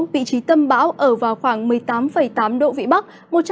vị trí tâm bão ở vào khoảng một mươi tám tám độ vĩ bắc